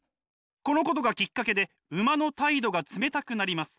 このことがきっかけで馬の態度が冷たくなります。